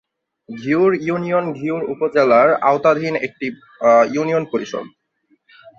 Ghior union Ghior উপজেলার আওতাধীন একটি ইউনিয়ন পরিষদ।